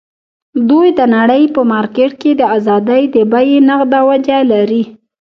دوی د نړۍ په مارکېټ کې د ازادۍ د بیې نغده وجه لري.